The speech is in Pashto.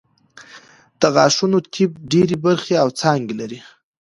د غاښونو طب ډېرې برخې او څانګې لري